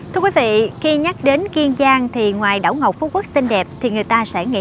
thưa quý vị khi nhắc đến kiên giang thì ngoài đảo ngọc phú quốc xinh đẹp thì người ta sẽ nghĩ